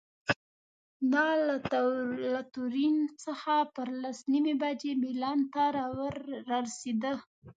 دا له تورین څخه پر لس نیمې بجې میلان ته رارسېده.